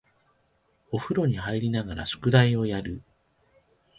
お風呂に入りながら宿題をやる